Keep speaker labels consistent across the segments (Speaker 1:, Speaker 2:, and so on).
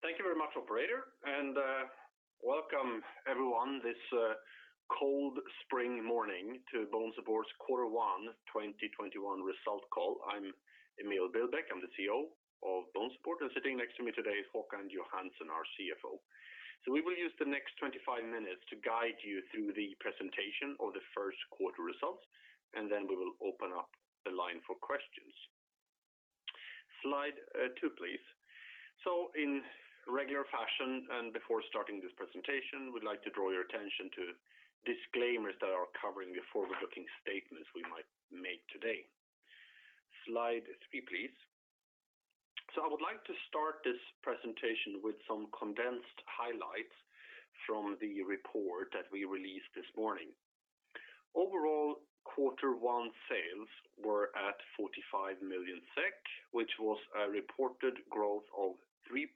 Speaker 1: Thank you very much, operator. Welcome, everyone, this cold spring morning to BONESUPPORT's Quarter One 2021 result call. I'm Emil Billbäck, I'm the CEO of BONESUPPORT. Sitting next to me today is Håkan Johansson, our CFO. We will use the next 25 minutes to guide you through the presentation of the first quarter results. Then we will open up the line for questions. Slide two, please. In regular fashion, before starting this presentation, we'd like to draw your attention to disclaimers that are covering the forward-looking statements we might make today. Slide three, please. I would like to start this presentation with some condensed highlights from the report that we released this morning. Overall, Quarter One sales were at 45 million SEK, which was a reported growth of 3%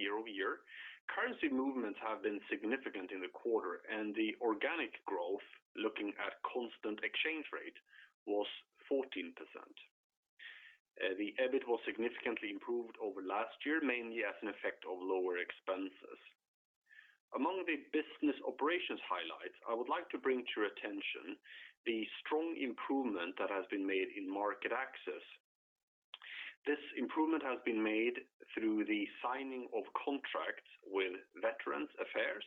Speaker 1: year-over-year. Currency movements have been significant in the quarter, and the organic growth, looking at constant exchange rate, was 14%. The EBITA was significantly improved over last year, mainly as an effect of lower expenses. Among the business operations highlights, I would like to bring to your attention the strong improvement that has been made in market access. This improvement has been made through the signing of contracts with Veterans Affairs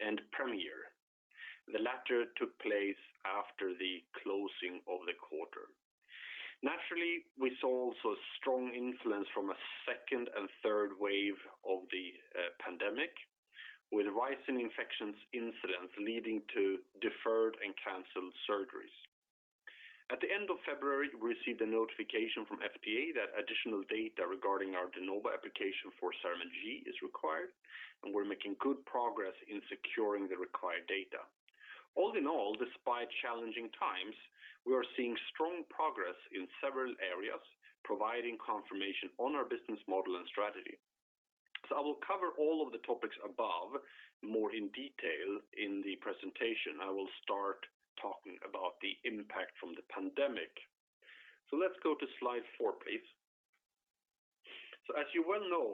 Speaker 1: and Premier. The latter took place after the closing of the quarter. Naturally, we saw also strong influence from a second and third wave of the pandemic, with rising infections incidents leading to deferred and canceled surgeries. At the end of February, we received a notification from FDA that additional data De Novo application for CERAMENT G is required, and we're making good progress in securing the required data. All in all, despite challenging times, we are seeing strong progress in several areas, providing confirmation on our business model and strategy. I will cover all of the topics above more in detail in the presentation. I will start talking about the impact from the pandemic. Let's go to slide four, please. As you well know,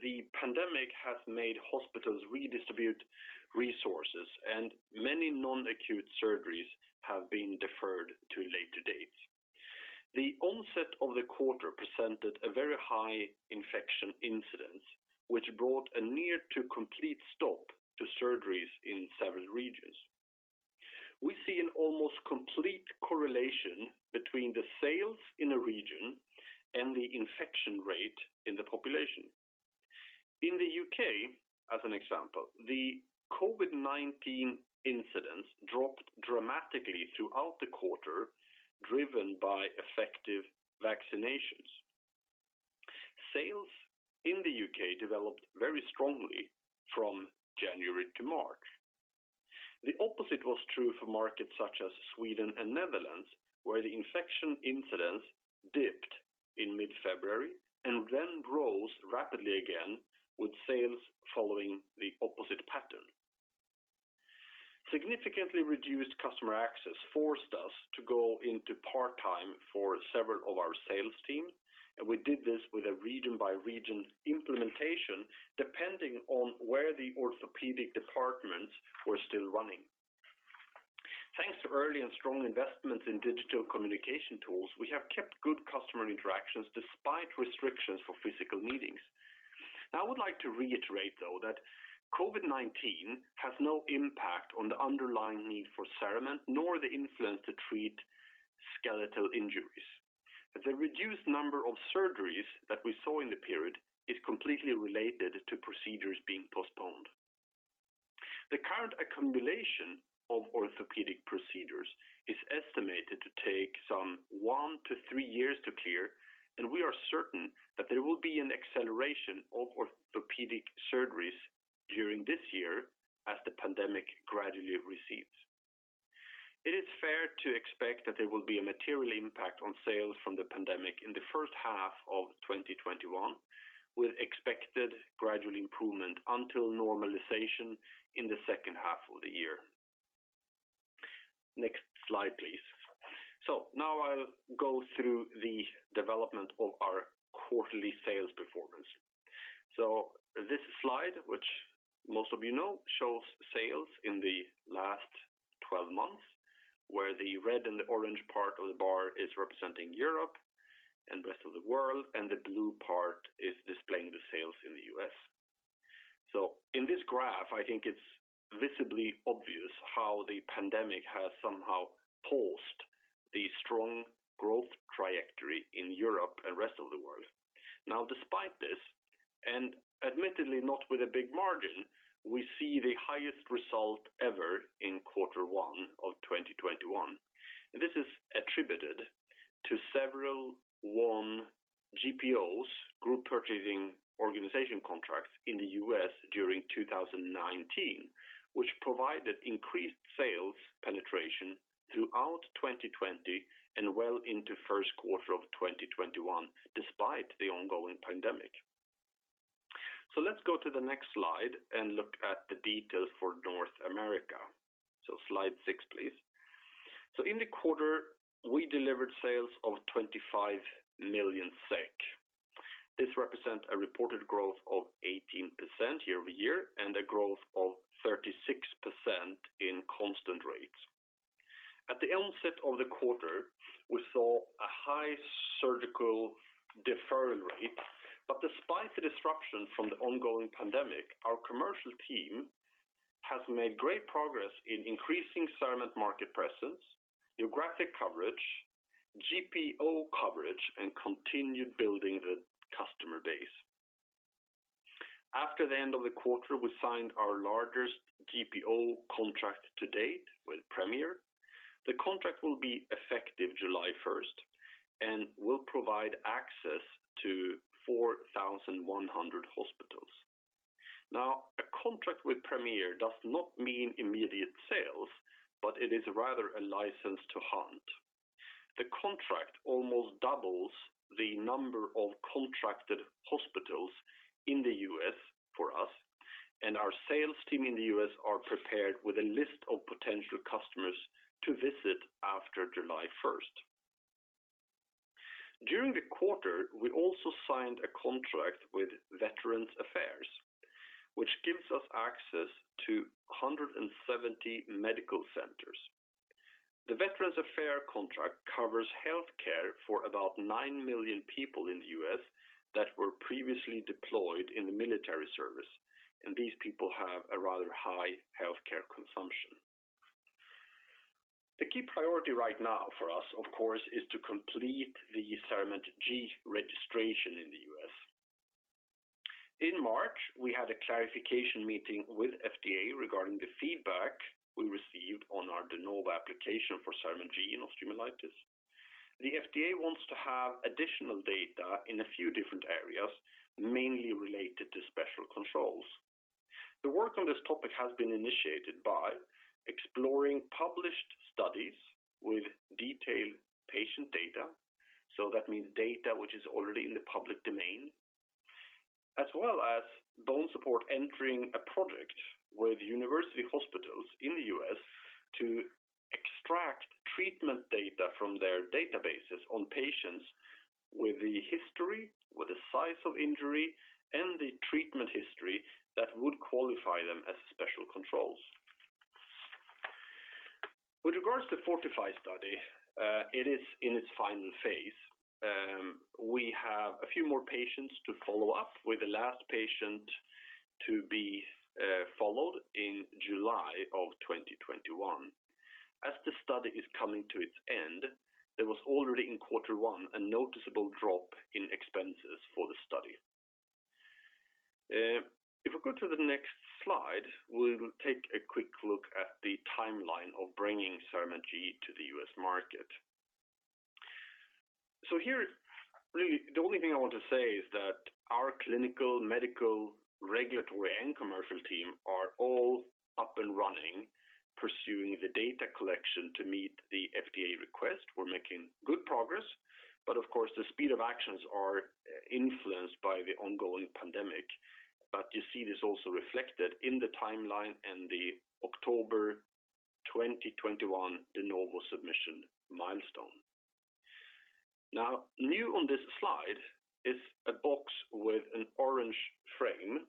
Speaker 1: the pandemic has made hospitals redistribute resources, and many non-acute surgeries have been deferred to later dates. The onset of the quarter presented a very high infection incidence, which brought a near to complete stop to surgeries in several regions. We see an almost complete correlation between the sales in a region and the infection rate in the population. In the U.K., as an example, the COVID-19 incidence dropped dramatically throughout the quarter, driven by effective vaccinations. Sales in the U.K. developed very strongly from January to March. The opposite was true for markets such as Sweden and Netherlands, where the infection incidence dipped in mid-February and then rose rapidly again, with sales following the opposite pattern. Significantly reduced customer access forced us to go into part-time for several of our sales team, and we did this with a region-by-region implementation, depending on where the orthopedic departments were still running. Thanks to early and strong investments in digital communication tools, we have kept good customer interactions despite restrictions for physical meetings. Now, I would like to reiterate, though, that COVID-19 has no impact on the underlying need for CERAMENT, nor the influence to treat skeletal injuries. The reduced number of surgeries that we saw in the period is completely related to procedures being postponed. The current accumulation of orthopedic procedures is estimated to take some one to three years to clear. We are certain that there will be an acceleration of orthopedic surgeries during this year as the pandemic gradually recedes. It is fair to expect that there will be a material impact on sales from the pandemic in the first half of 2021, with expected gradual improvement until normalization in the second half of the year. Next slide, please. Now I'll go through the development of our quarterly sales performance. This slide, which most of you know, shows sales in the last 12 months, where the red and the orange part of the bar is representing Europe and rest of the world, and the blue part is displaying the sales in the U.S. In this graph, I think it's visibly obvious how the pandemic has somehow paused the strong growth trajectory in Europe and rest of the world. Despite this, and admittedly not with a big margin, we see the highest result ever in quarter one of 2021. This is attributed to several won GPOs, group purchasing organization contracts, in the U.S. during 2019, which provided increased sales penetration throughout 2020 and well into first quarter of 2021, despite the ongoing pandemic. Let's go to the next slide and look at the details for North America. Slide six, please. In the quarter, we delivered sales of 25 million SEK. This represents a reported growth of 18% year-over-year and a growth of 36% in constant rates. At the onset of the quarter, we saw a high surgical deferral rate. Despite the disruption from the ongoing pandemic, our commercial team has made great progress in increasing CERAMENT market presence, geographic coverage, GPO coverage, and continued building the customer base. After the end of the quarter, we signed our largest GPO contract to date with Premier. The contract will be effective July, 1st and will provide access to 4,100 hospitals. A contract with Premier does not mean immediate sales, but it is rather a license to hunt. The contract almost doubles the number of contracted hospitals in the U.S. for us, and our sales team in the U.S. are prepared with a list of potential customers to visit after July, 1st. During the quarter, we also signed a contract with Veterans Affairs, which gives us access to 170 medical centers. The Veterans Affairs contract covers healthcare for about 9 million people in the U.S. that were previously deployed in the military service, and these people have a rather high healthcare consumption. The key priority right now for us, of course, is to complete the CERAMENT G registration in the U.S. In March, we had a clarification meeting with FDA regarding the feedback we received De Novo application for CERAMENT G in osteomyelitis. The FDA wants to have additional data in a few different areas, mainly related to special controls. The work on this topic has been initiated by exploring published studies with detailed patient data. That means data which is already in the public domain, as well as BONESUPPORT entering a project with university hospitals in the U.S. to extract treatment data from their databases on patients with the history, with the size of injury, and the treatment history that would qualify them as special controls. With regards to FORTIFY study, it is in its final phase. We have a few more patients to follow up with the last patient to be followed in July of 2021. As the study is coming to its end, there was already in quarter one a noticeable drop in expenses for the study. If we go to the next slide, we will take a quick look at the timeline of bringing CERAMENT G to the U.S. market. Here, really the only thing I want to say is that our clinical, medical, regulatory, and commercial team are all up and running, pursuing the data collection to meet the FDA request. We're making good progress, but of course, the speed of actions are influenced by the ongoing pandemic. You see this also reflected in the timeline and the De Novo submission milestone. Now, new on this slide is a box with an orange frame.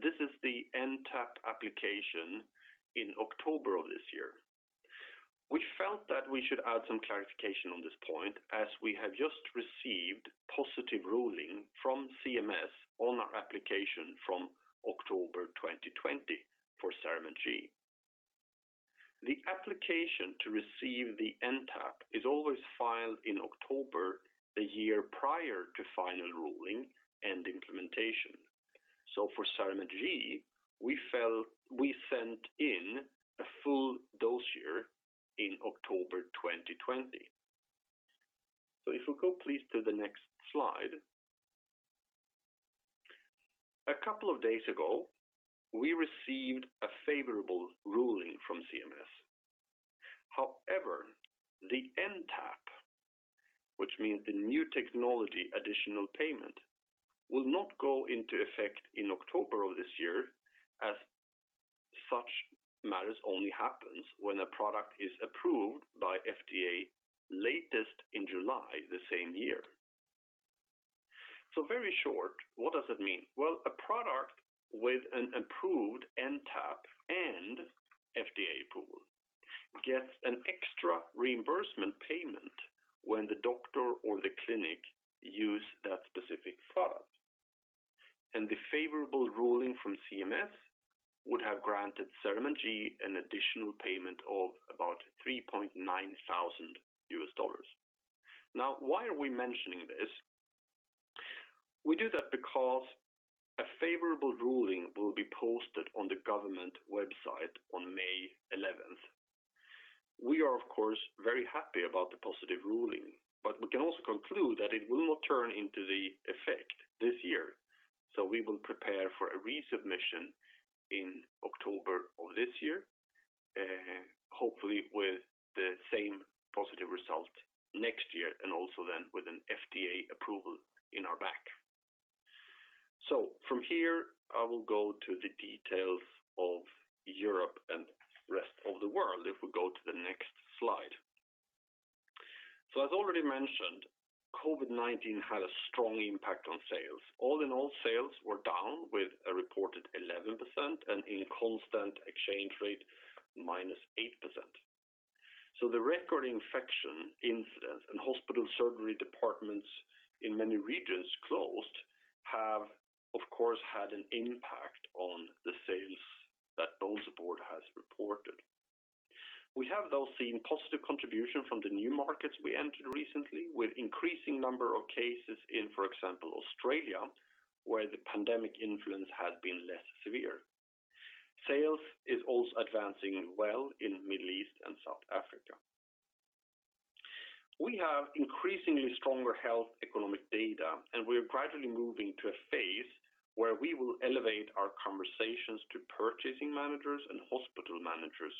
Speaker 1: This is the NTAP application in October of this year. We felt that we should add some clarification on this point, as we have just received positive ruling from CMS on our application from October 2020 for CERAMENT G. The application to receive the NTAP is always filed in October, the year prior to final ruling and implementation. For CERAMENT G, we sent in a full dossier in October 2020. If we go please to the next slide. A couple of days ago, we received a favorable ruling from CMS. The NTAP, which means the New Technology Additional Payment, will not go into effect in October of this year, as such matters only happens when a product is approved by FDA latest in July the same year. Very short, what does it mean? A product with an approved NTAP and FDA approval gets an extra reimbursement payment when the doctor or the clinic use that specific product. The favorable ruling from CMS would have granted CERAMENT G an additional payment of about $3,900. Why are we mentioning this? We do that because a favorable ruling will be posted on the government website on May 11th. We are, of course, very happy about the positive ruling, but we can also conclude that it will not turn into the effect this year. We will prepare for a resubmission in October of this year, hopefully with the same positive result next year and also then with an FDA approval in our back. From here, I will go to the details of Europe and rest of the world if we go to the next slide. As already mentioned, COVID-19 had a strong impact on sales. All in all sales were down with a reported 11% and in constant exchange rate, -8%. The record infection incidents and hospital surgery departments in many regions closed have, of course, had an impact on the sales that BONESUPPORT has reported. We have, though, seen positive contribution from the new markets we entered recently with increasing number of cases in, for example, Australia, where the pandemic influence had been less severe. Sales is also advancing well in Middle East and South Africa. We have increasingly stronger health economic data, and we are gradually moving to a phase where we will elevate our conversations to purchasing managers and hospital managers.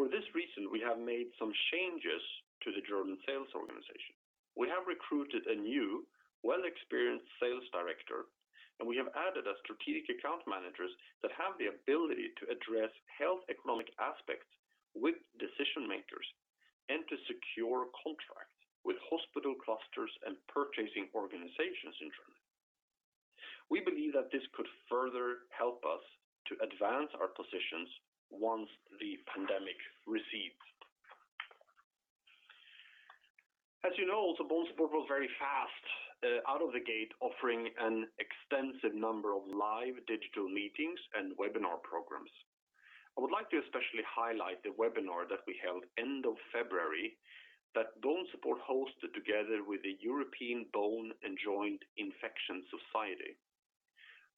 Speaker 1: For this reason, we have made some changes to the German sales organization. We have recruited a new, well-experienced sales director, and we have added a strategic account managers that have the ability to address health economic aspects with decision-makers and to secure contracts with hospital clusters and purchasing organizations in Germany. We believe that this could further help us to advance our positions once the pandemic recedes. As you know, also BONESUPPORT was very fast out of the gate, offering an extensive number of live digital meetings and webinar programs. I would like to especially highlight the webinar that we held end of February that BONESUPPORT hosted together with the European Bone and Joint Infection Society.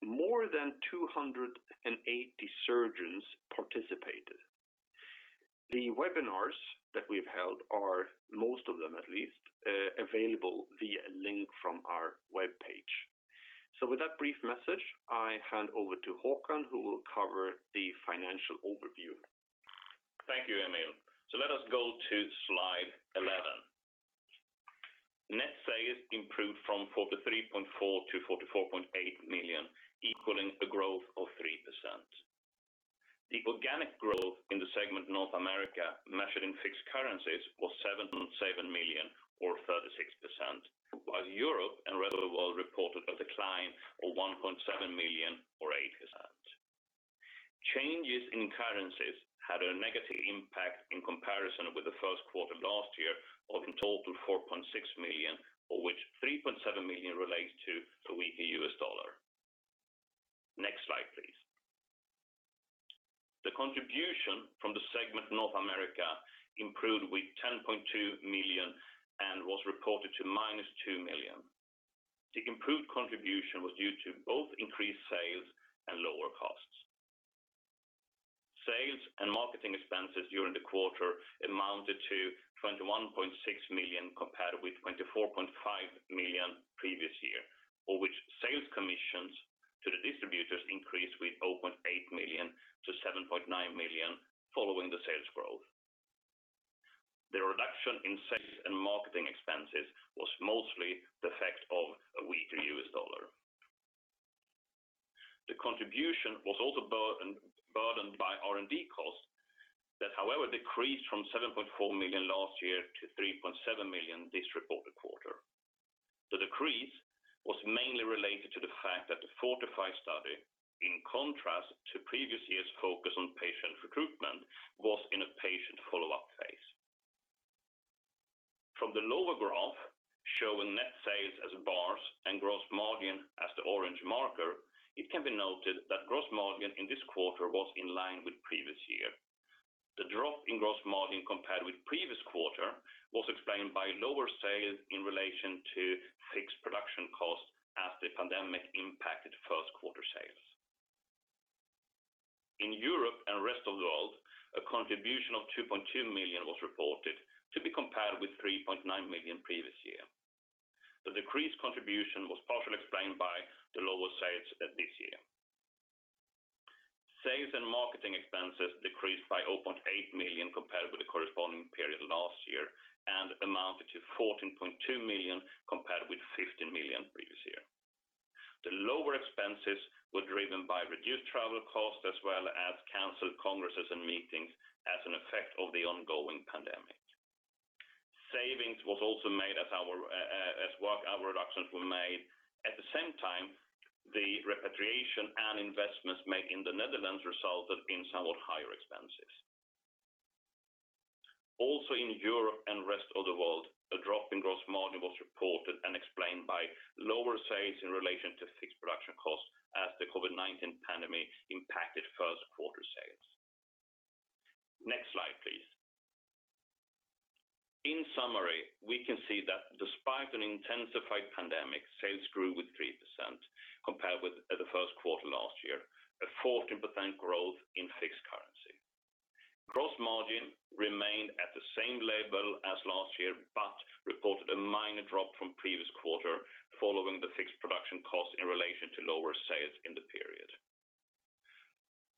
Speaker 1: More than 280 surgeons participated. The webinars that we've held are, most of them at least, available via a link from our webpage. With that brief message, I hand over to Håkan, who will cover the financial overview.
Speaker 2: Thank you, Emil. Let us go to slide 11. Net sales improved from 43.4 million-44.8 million, equaling a growth of 3%. The organic growth in the segment North America measured in fixed currencies was 7.7 million or 36%, while Europe and rest of the world reported a decline of 1.7 million or 8%. Changes in currencies had a negative impact in comparison with the first quarter of last year of in total 4.6 million, of which 3.7 million relates to a weaker U.S. dollar. Next slide, please. The contribution from the segment North America improved with 10.2 million and was reported to -2 million. The improved contribution was due to both increased sales and lower costs. Sales and marketing expenses during the quarter amounted to 21.6 million compared with 24.5 million previous year, of which sales commissions to the distributors increased with 0.8 million-7.9 million following the sales growth. The reduction in sales and marketing expenses was mostly the effect of a weaker U.S. dollar. The contribution was also burdened by R&D costs, however decreased from 7.4 million last year-SEK 3.7 million this reported quarter. The decrease was mainly related to the fact that the FORTIFY study, in contrast to previous years' focus on patient recruitment, was in a patient follow-up phase. From the lower graph showing net sales as bars and gross margin as the orange marker, it can be noted that gross margin in this quarter was in line with previous year. The drop in gross margin compared with previous quarter was explained by lower sales in relation to fixed production costs as the pandemic impacted first quarter sales. In Europe and rest of the world, a contribution of 2.2 million was reported to be compared with 3.9 million previous year. The decreased contribution was partially explained by the lower sales this year. Sales and marketing expenses decreased by 0.8 million compared with the corresponding period last year and amounted to 14.2 million compared with 15 million previous year. The lower expenses were driven by reduced travel costs as well as canceled congresses and meetings as an effect of the ongoing pandemic. Savings was also made as work hour reductions were made. At the same time, the repatriation and investments made in the Netherlands resulted in somewhat higher expenses. Also in Europe and rest of the world, a drop in gross margin was reported and explained by lower sales in relation to fixed production costs as the COVID-19 pandemic impacted first quarter sales. Next slide, please. In summary, we can see that despite an intensified pandemic, sales grew with 3% compared with the first quarter last year, a 14% growth in fixed currency. Gross margin remained at the same level as last year, but reported a minor drop from previous quarter following the fixed production cost in relation to lower sales in the period.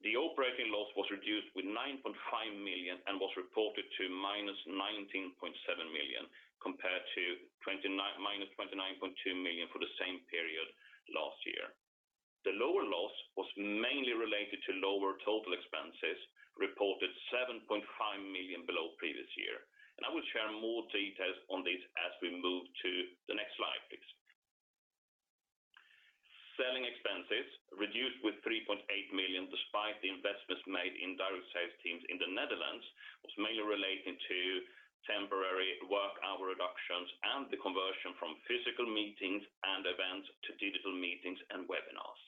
Speaker 2: The operating loss was reduced with 9.5 million and was reported to -19.7 million compared to -29.2 million for the same period last year. The lower loss was mainly related to lower total expenses, reported 7.5 million below previous year. I will share more details on this as we move to the next slide, please. Selling expenses reduced with 3.8 million, despite the investments made in direct sales teams in the Netherlands, was mainly relating to temporary work hour reductions and the conversion from physical meetings and events to digital meetings and webinars.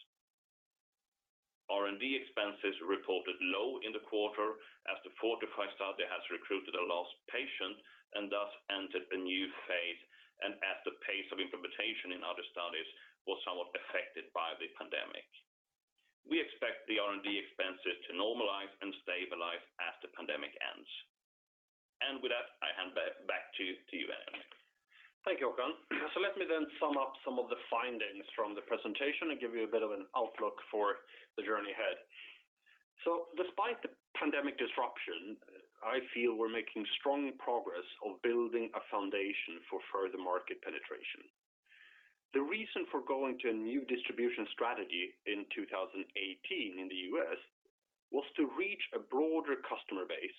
Speaker 2: R&D expenses reported low in the quarter as the FORTIFY study has recruited a last patient and thus entered a new phase, and as the pace of implementation in other studies was somewhat affected by the pandemic. We expect the R&D expenses to normalize and stabilize as the pandemic ends. With that, I hand back to you, Emil.
Speaker 1: Thank you, Håkan. Let me then sum up some of the findings from the presentation and give you a bit of an outlook for the journey ahead. Despite the pandemic disruption, I feel we're making strong progress of building a foundation for further market penetration. The reason for going to a new distribution strategy in 2018 in the U.S. was to reach a broader customer base.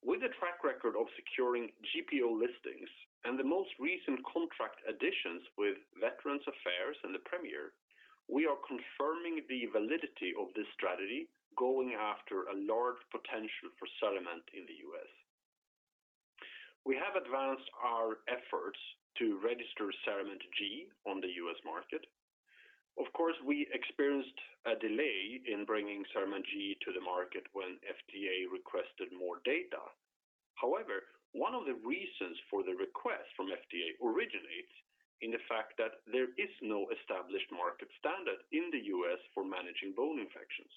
Speaker 1: With a track record of securing GPO listings and the most recent contract additions with Veterans Affairs and Premier, Inc., we are confirming the validity of this strategy, going after a large potential for CERAMENT in the U.S. We have advanced our efforts to register CERAMENT G on the U.S. market. We experienced a delay in bringing CERAMENT G to the market when FDA requested more data. However, one of the reasons for the request from FDA originates in the fact that there is no established market standard in the U.S. for managing bone infections.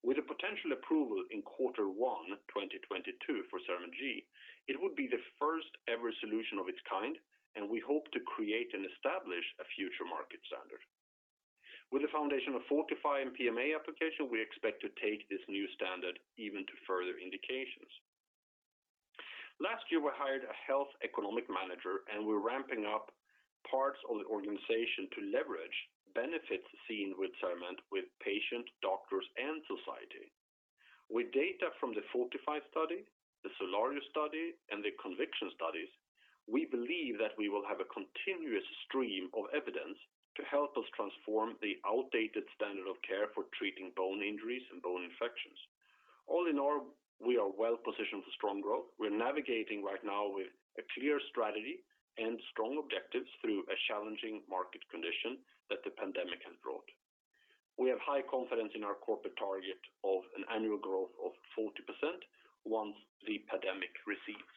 Speaker 1: With a potential approval in quarter one 2022 for CERAMENT G, it would be the first-ever solution of its kind, and we hope to create and establish a future market standard. With the foundation of FORTIFY and PMA application, we expect to take this new standard even to further indications. Last year, we hired a health economic manager, and we're ramping up parts of the organization to leverage benefits seen with CERAMENT with patients, doctors, and society. With data from the FORTIFY study, the SOLARIO study, and the CONVICTION studies, we believe that we will have a continuous stream of evidence to help us transform the outdated standard of care for treating bone injuries and bone infections. All in all, we are well positioned for strong growth. We're navigating right now with a clear strategy and strong objectives through a challenging market condition that the pandemic has brought. We have high confidence in our corporate target of an annual growth of 40% once the pandemic recedes.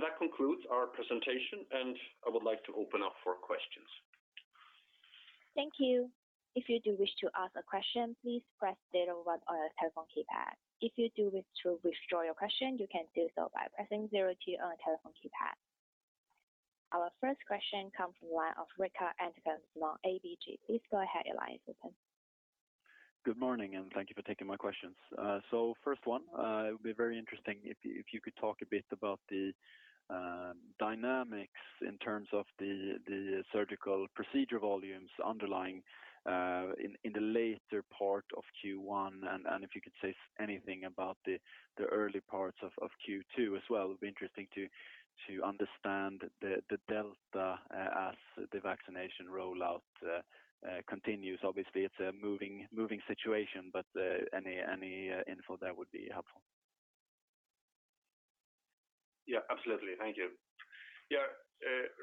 Speaker 1: That concludes our presentation, and I would like to open up for questions.
Speaker 3: Thank you. If you do wish to ask a question, please press zero one on your telephone keypad. If you do wish to withdraw your question, you can do so by pressing zero two on your telephone keypad. Our first question comes from the line of Rikard Anderkrans, ABG. Please go ahead, your line is open.
Speaker 4: Good morning, and thank you for taking my questions. First one, it would be very interesting if you could talk a bit about the dynamics in terms of the surgical procedure volumes underlying in the later part of Q1, and if you could say anything about the early parts of Q2 as well. It would be interesting to understand the delta as the vaccination rollout continues. Obviously, it's a moving situation, but any info there would be helpful.
Speaker 1: Absolutely. Thank you.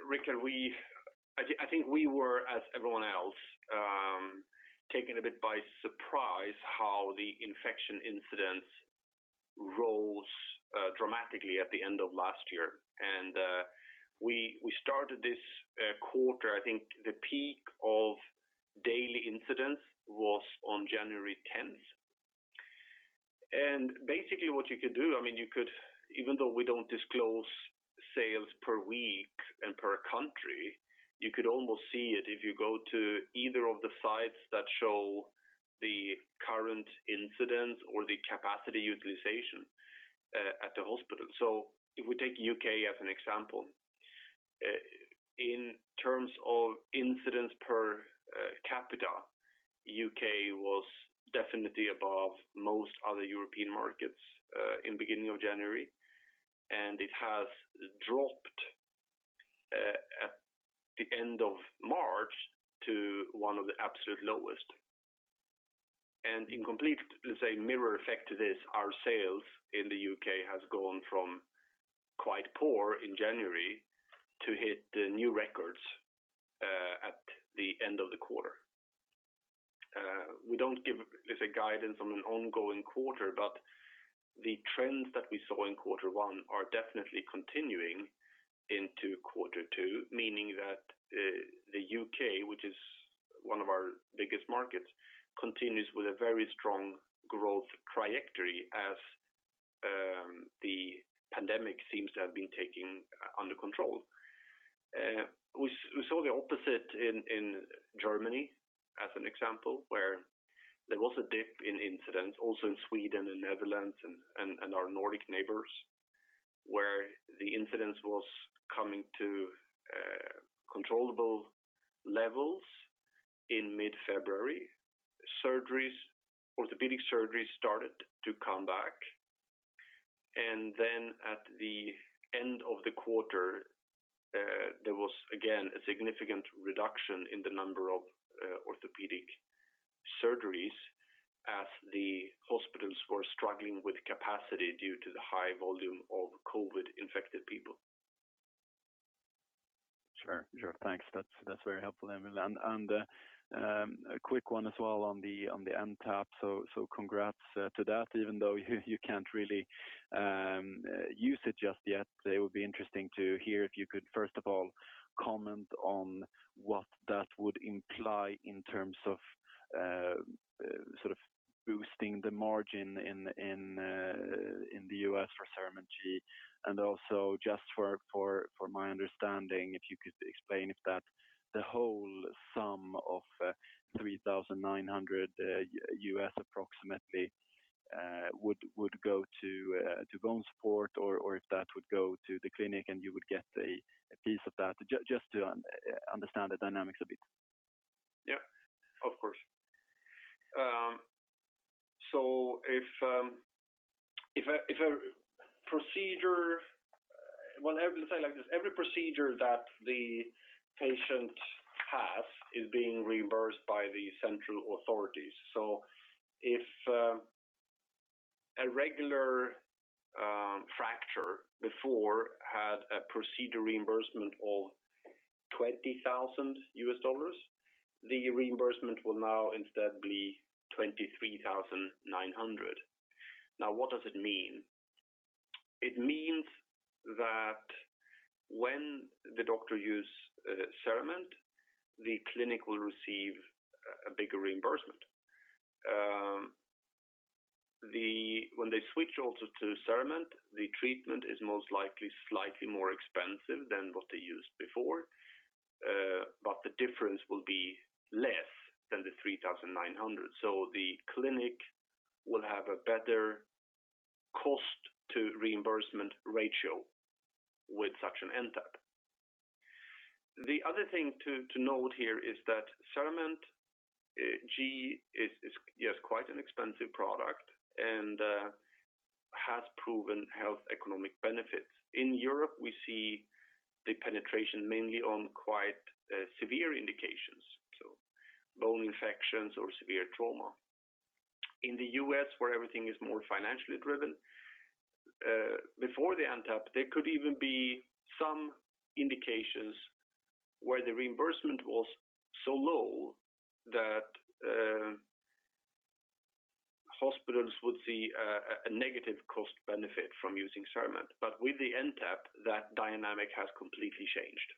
Speaker 1: Rikard, I think we were, as everyone else, taken a bit by surprise how the infection incidents rose dramatically at the end of last year. We started this quarter, I think the peak of daily incidents was on January 10th. Basically what you could do, even though we don't disclose sales per week and per country, you could almost see it if you go to either of the sites that show the current incidents or the capacity utilization at the hospital. If we take U.K. as an example, in terms of incidents per capita, U.K. was definitely above most other European markets in beginning of January, and it has dropped at the end of March to one of the absolute lowest. In complete, let's say, mirror effect to this, our sales in the U.K. has gone from quite poor in January to hit the new records at the end of the quarter. We don't give, let's say, guidance on an ongoing quarter, but the trends that we saw in quarter one are definitely continuing into quarter two, meaning that the U.K., which is one of our biggest markets, continues with a very strong growth trajectory as the pandemic seems to have been taken under control. We saw the opposite in Germany, as an example, where there was a dip in incidents. Also in Sweden and Netherlands and our Nordic neighbors, where the incidence was coming to controllable levels in mid-February. Orthopedic surgeries started to come back, and then at the end of the quarter, there was again a significant reduction in the number of orthopedic surgeries as the hospitals were struggling with capacity due to the high volume of COVID-19-infected people.
Speaker 4: Sure. Thanks. That's very helpful, Emil. A quick one as well on the NTAP. Congrats to that, even though you can't really use it just yet. It would be interesting to hear if you could, first of all, comment on what that would imply in terms of boosting the margin in the U.S. for CERAMENT G. Also, just for my understanding, if you could explain if the whole sum of $3,900 approximately would go to BONESUPPORT, or if that would go to the clinic and you would get a piece of that. Just to understand the dynamics a bit.
Speaker 1: Yeah. Of course. Every procedure that the patient has is being reimbursed by the central authorities. If a regular fracture before had a procedure reimbursement of $20,000, the reimbursement will now instead be $23,900. What does it mean? It means that when the doctor uses CERAMENT, the clinic will receive a bigger reimbursement. When they switch also to CERAMENT, the treatment is most likely slightly more expensive than what they used before. The difference will be less than the $3,900. The clinic will have a better cost-to-reimbursement ratio with such an NTAP. The other thing to note here is that CERAMENT G is quite an expensive product and has proven health economic benefits. In Europe, we see the penetration mainly on quite severe indications, so bone infections or severe trauma. In the U.S., where everything is more financially driven, before the NTAP, there could even be some indications where the reimbursement was so low that hospitals would see a negative cost benefit from using CERAMENT. With the NTAP, that dynamic has completely changed.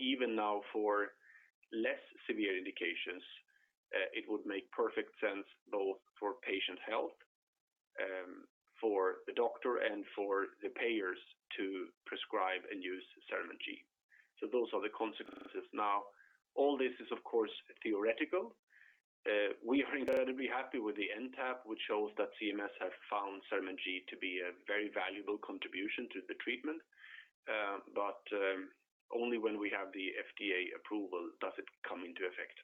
Speaker 1: Even now, for less severe indications, it would make perfect sense both for patient health, for the doctor, and for the payers to prescribe and use CERAMENT G. Those are the consequences. Now, all this is, of course, theoretical. We are incredibly happy with the NTAP, which shows that CMS has found CERAMENT G to be a very valuable contribution to the treatment. Only when we have the FDA approval does it come into effect.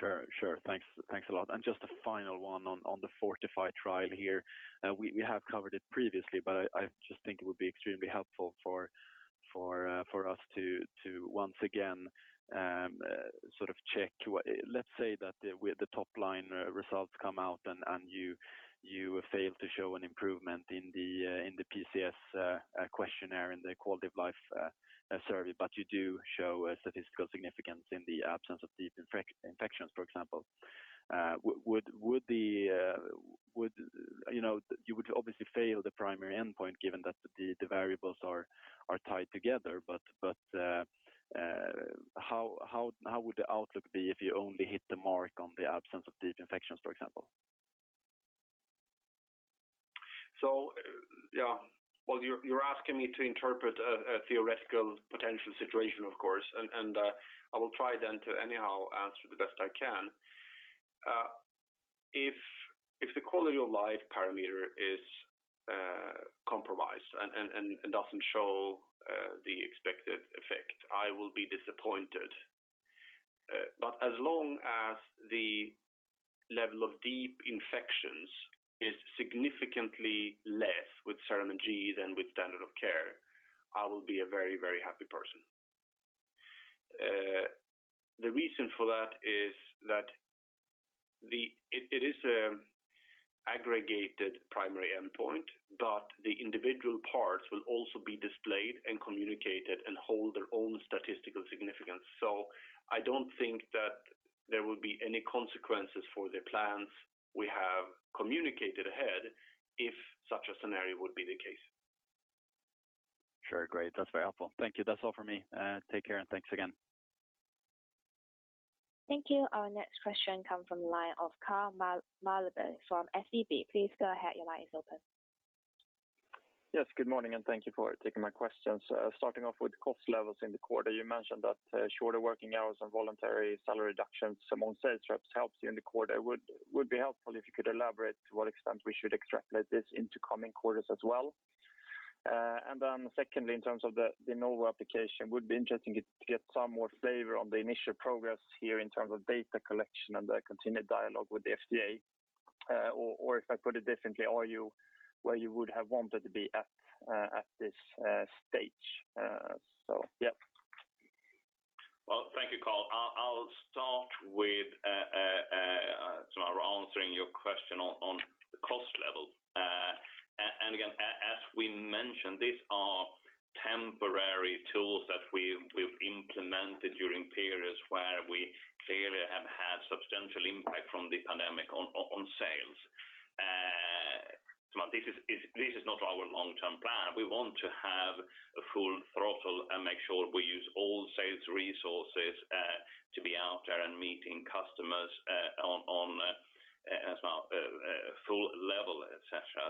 Speaker 4: Sure. Thanks a lot. Just a final one on the FORTIFY trial here. We have covered it previously, but I just think it would be extremely helpful for us to once again check. Let's say that the top-line results come out, and you fail to show an improvement in the PCS questionnaire, in the quality of life survey. You do show a statistical significance in the absence of deep infections, for example. You would obviously fail the primary endpoint, given that the variables are tied together. How would the outlook be if you only hit the mark on the absence of deep infections, for example?
Speaker 1: You're asking me to interpret a theoretical potential situation, of course. I will try then to anyhow answer the best I can. If the quality of life parameter is compromised and doesn't show the expected effect, I will be disappointed. As long as the level of deep infections is significantly less with CERAMENT G than with standard of care, I will be a very happy person. The reason for that is that it is an aggregated primary endpoint, but the individual parts will also be displayed and communicated and hold their own statistical significance. I don't think that there will be any consequences for the plans we have communicated ahead if such a scenario would be the case.
Speaker 4: Sure. Great. That's very helpful. Thank you. That's all from me. Take care, and thanks again.
Speaker 3: Thank you. Our next question comes from the line of Carl Mellerby from SEB. Please go ahead. Your line is open.
Speaker 5: Yes, good morning. Thank you for taking my questions. Starting off with cost levels in the quarter, you mentioned that shorter working hours and voluntary salary reductions among sales reps helped you in the quarter. It would be helpful if you could elaborate to what extent we should extrapolate this into coming quarters as well. Secondly, in terms De Novo application, it would be interesting to get some more flavor on the initial progress here in terms of data collection and the continued dialogue with the FDA. If I put it differently, where you would have wanted to be at this stage.
Speaker 1: Well, thank you, Carl. I'll start with answering your question on the cost level. Again, as we mentioned, these are temporary tools that we've implemented during periods where we clearly have had substantial impact from the pandemic on sales. This is not our long-term plan. We want to have a full throttle and make sure we use all sales resources to be out there and meeting customers on a full level, et cetera.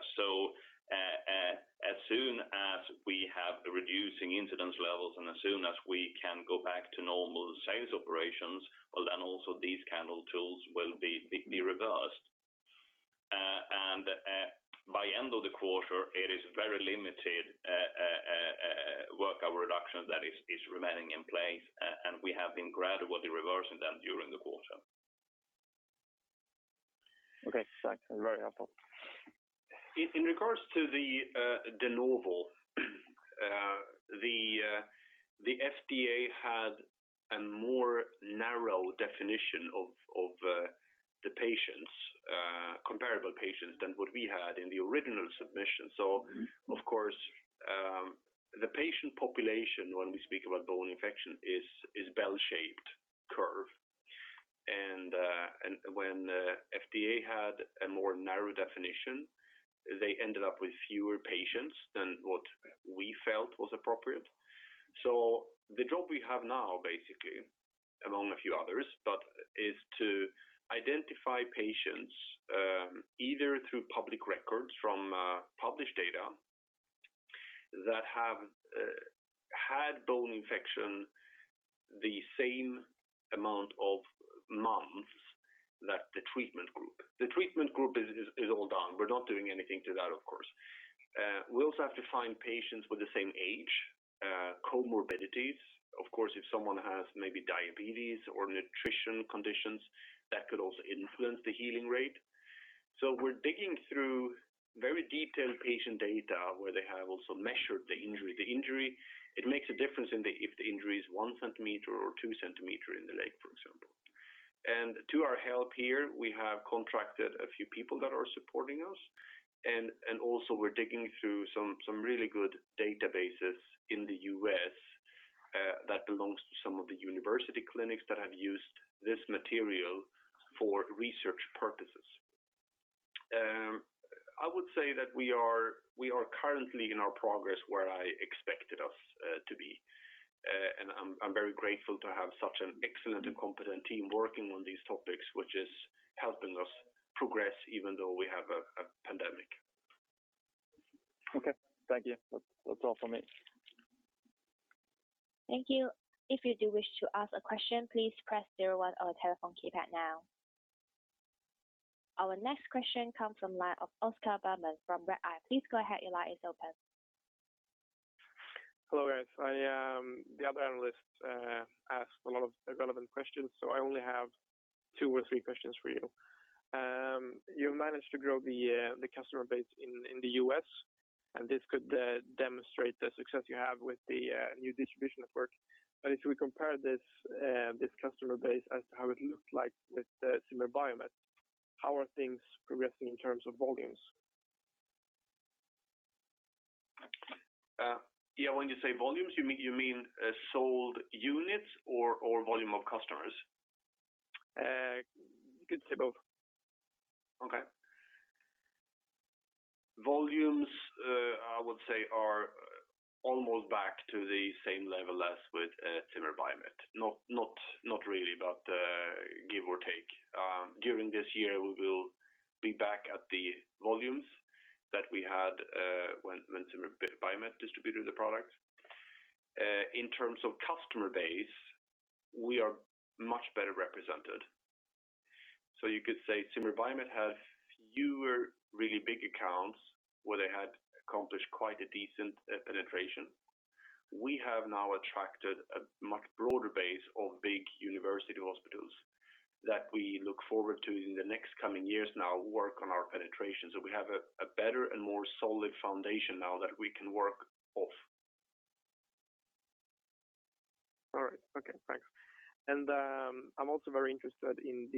Speaker 1: As soon as we have reducing incidence levels and as soon as we can go back to normal sales operations, well, then also these kind of tools will be reversed. By end of the quarter, it is very limited work reduction that is remaining in place, and we have been gradually reversing them during the quarter.
Speaker 5: Okay, thanks. Very helpful.
Speaker 1: In regards De Novo, the FDA had a more narrow definition of the comparable patients than what we had in the original submission. Of course, the patient population, when we speak about bone infection, is bell-shaped curve. When FDA had a more narrow definition, they ended up with fewer patients than what we felt was appropriate. The job we have now, basically, among a few others, but is to identify patients, either through public records from published data that have had bone infection the same amount of months that the treatment group. The treatment group is all done. We're not doing anything to that, of course. We also have to find patients with the same age, comorbidities. Of course, if someone has maybe diabetes or nutrition conditions, that could also influence the healing rate. We're digging through very detailed patient data, where they have also measured the injury. It makes a difference if the injury is one centimeter or two centimeter in the leg, for example. To our help here, we have contracted a few people that are supporting us, and also we're digging through some really good databases in the U.S. that belongs to some of the university clinics that have used this material for research purposes. I would say that we are currently in our progress where I expected us to be. I'm very grateful to have such an excellent and competent team working on these topics, which is helping us progress even though we have a pandemic.
Speaker 5: Okay. Thank you. That's all from me.
Speaker 3: Thank you. If you do wish to ask a question, please press zero one on your telephone keypad now. Our next question comes from line of Oscar Bergman from Redeye. Please go ahead. Your line is open.
Speaker 6: Hello, guys. The other analysts asked a lot of relevant questions, so I only have two or three questions for you. You've managed to grow the customer base in the U.S., and this could demonstrate the success you have with the new distribution network. If we compare this customer base as to how it looked like with Zimmer Biomet, how are things progressing in terms of volumes?
Speaker 1: Yeah. When you say volumes, you mean sold units or volume of customers?
Speaker 6: Could say both.
Speaker 1: Okay. Volumes, I would say, are almost back to the same level as with Zimmer Biomet. Not really, but give or take. During this year, we will be back at the volumes that we had when Zimmer Biomet distributed the product. In terms of customer base, we are much better represented. You could say Zimmer Biomet had fewer really big accounts where they had accomplished quite a decent penetration. We have now attracted a much broader base of big university hospitals that we look forward to, in the next coming years now, work on our penetration. We have a better and more solid foundation now that we can work off.
Speaker 6: All right. Okay. Thanks. I'm also very interested in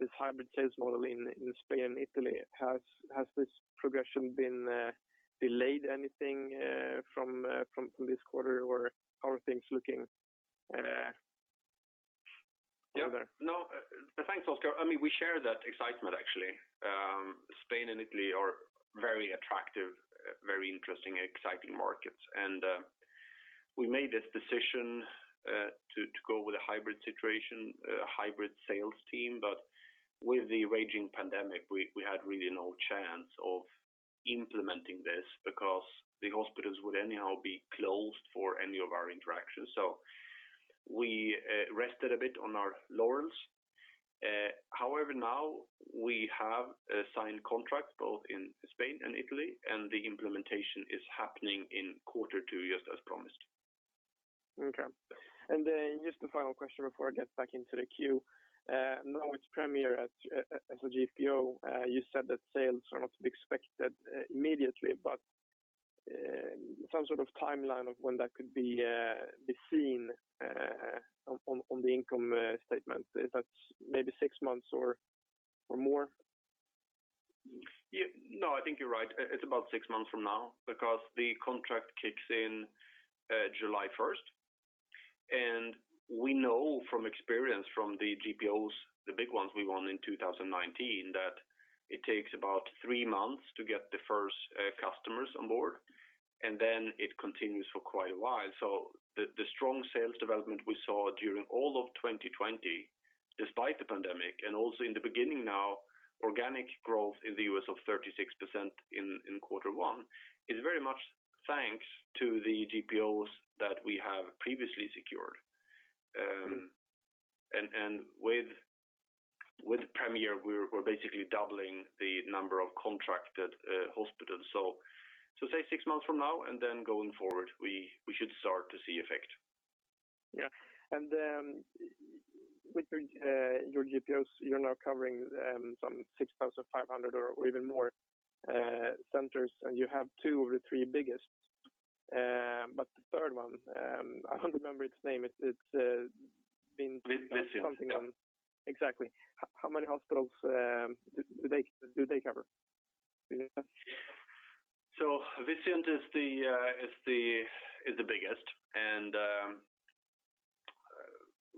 Speaker 6: this hybrid sales model in Spain and Italy. Has this progression been delayed anything from this quarter, or how are things looking over there?
Speaker 1: No. Thanks, Oscar. We share that excitement, actually. Spain and Italy are very attractive, very interesting, exciting markets. We made this decision to go with a hybrid situation, a hybrid sales team. With the raging pandemic, we had really no chance of implementing this because the hospitals would anyhow be closed for any of our interactions. We rested a bit on our laurels. However, now we have signed contracts both in Spain and Italy, and the implementation is happening in quarter two, just as promised.
Speaker 6: Okay. Just the final question before I get back into the queue. Now with Premier as a GPO, you said that sales are not to be expected immediately, but some sort of timeline of when that could be seen on the income statement. If that's maybe six months or more?
Speaker 1: No, I think you're right. It's about six months from now because the contract kicks in July 1st. We know from experience from the GPOs, the big ones we won in 2019, that it takes about three months to get the first customers on board, and then it continues for quite a while. The strong sales development we saw during all of 2020, despite the pandemic, and also in the beginning now, organic growth in the U.S. of 36% in quarter one, is very much thanks to the GPOs that we have previously secured. With Premier, we're basically doubling the number of contracted hospitals. Say six months from now and then going forward, we should start to see effect.
Speaker 6: Yeah. With your GPOs, you're now covering some 6,500 or even more centers, and you have two of the three biggest. The third one, I can't remember its name.
Speaker 1: Vizient. Yeah.
Speaker 6: Exactly. How many hospitals do they cover? Do you know?
Speaker 1: Vizient is the biggest, and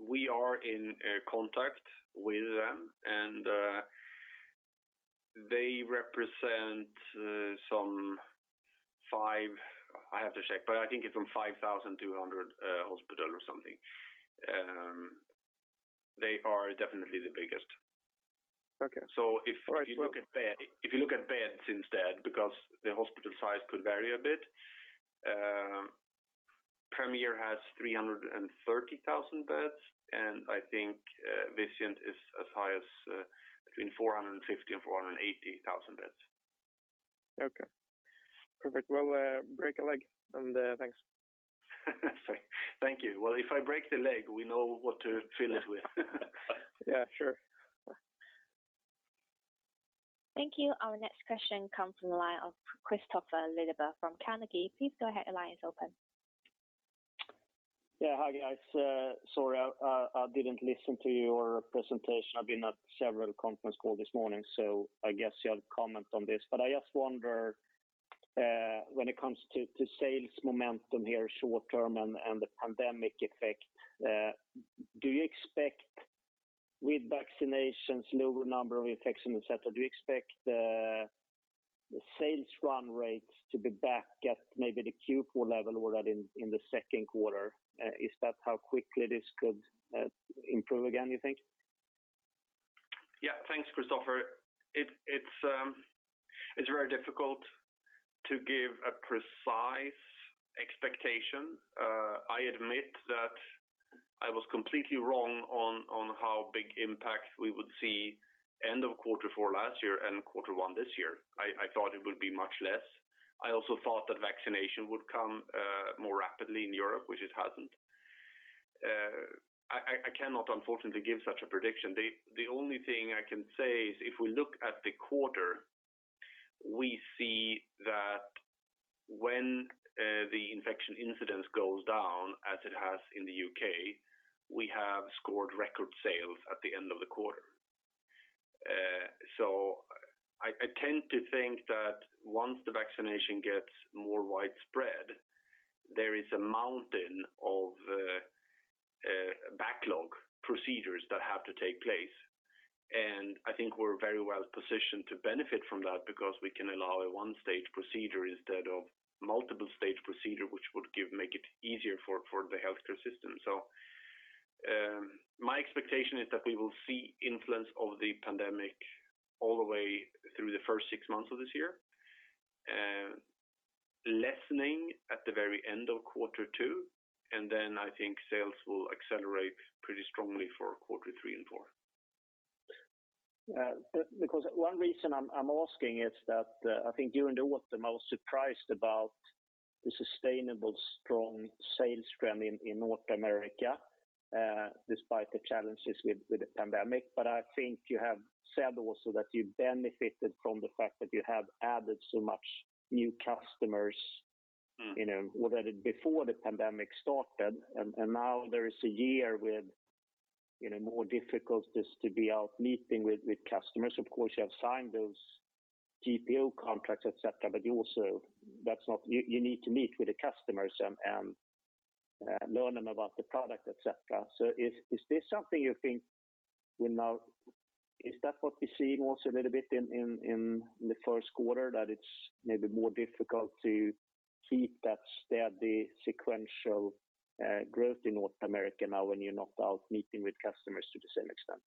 Speaker 1: we are in contact with them. They represent some five I have to check, but I think it's some 5,200 hospital or something. They are definitely the biggest.
Speaker 6: Okay.
Speaker 1: If you look at beds instead, because the hospital size could vary a bit, Premier has 330,000 beds, and I think Vizient is as high as between 450 and 480,000 beds.
Speaker 6: Okay. Perfect. Well, break a leg, and thanks.
Speaker 1: Thank you. Well, if I break the leg, we know what to fill it with.
Speaker 6: Yeah, sure.
Speaker 3: Thank you. Our next question comes from the line of Kristofer Liljeberg from Carnegie. Please go ahead. Your line is open.
Speaker 7: Hi, guys. Sorry, I didn't listen to your presentation. I've been at several conference calls this morning, I guess you have comment on this. I just wonder when it comes to sales momentum here short-term and the pandemic effect, do you expect with vaccinations, lower number of infections, et cetera, do you expect the sales run rates to be back at maybe the Q4 level already in the second quarter? Is that how quickly this could improve again, you think?
Speaker 1: Yeah. Thanks, Kristofer. It's very difficult to give a precise expectation. I admit that I was completely wrong on how big impact we would see end of quarter four last year and quarter one this year. I thought it would be much less. I also thought that vaccination would come more rapidly in Europe, which it hasn't. I cannot, unfortunately, give such a prediction. The only thing I can say is if we look at the quarter, we see that when the infection incidence goes down, as it has in the U.K., we have scored record sales at the end of the quarter. I tend to think that once the vaccination gets more widespread, there is a mountain of backlog procedures that have to take place, and I think we're very well positioned to benefit from that because we can allow a one-stage procedure instead of multiple-stage procedure, which would make it easier for the healthcare system. My expectation is that we will see influence of the pandemic all the way through the first six months of this year, lessening at the very end of quarter two, and then I think sales will accelerate pretty strongly for quarter three and four.
Speaker 7: One reason I'm asking is that I think you and I were the most surprised about the sustainable strong sales trend in North America despite the challenges with the pandemic. I think you have said also that you benefited from the fact that you have added so much new customers. Before the pandemic started, now there is a year with more difficulties to be out meeting with customers. Of course, you have signed those GPO contracts, et cetera, you need to meet with the customers and learn them about the product, et cetera. Is that what we're seeing also a little bit in the first quarter, that it's maybe more difficult to keep that steady sequential growth in North America now when you're not out meeting with customers to the same extent?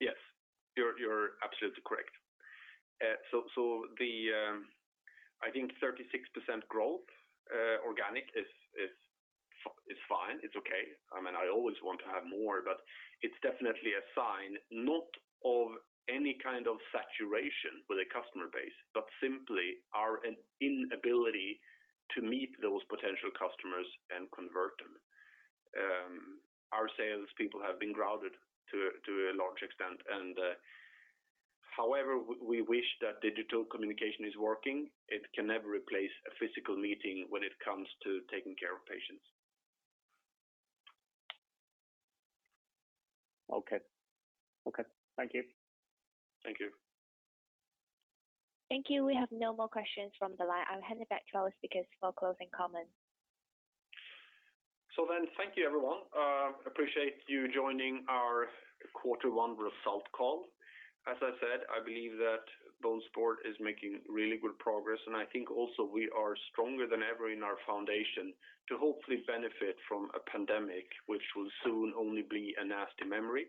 Speaker 1: Yes. You're absolutely correct. I think 36% growth organic is fine. It's okay. I always want to have more, but it's definitely a sign not of any kind of saturation with a customer base, but simply our inability to meet those potential customers and convert them. Our sales people have been grounded to a large extent. We wish that digital communication is working, it can never replace a physical meeting when it comes to taking care of patients.
Speaker 7: Okay. Thank you.
Speaker 1: Thank you.
Speaker 3: Thank you. We have no more questions from the line. I will hand it back to our speakers for closing comments.
Speaker 1: Thank you, everyone. Appreciate you joining our quarter-one result call. As I said, I believe that BONESUPPORT is making really good progress, and I think also we are stronger than ever in our foundation to hopefully benefit from a pandemic which will soon only be a nasty memory.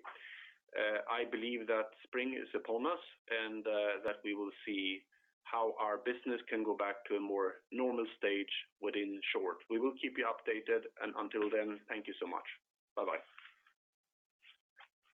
Speaker 1: I believe that spring is upon us and that we will see how our business can go back to a more normal stage within short. We will keep you updated, and until then, thank you so much. Bye-bye.